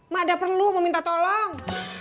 mak udah perlu mau minta tolong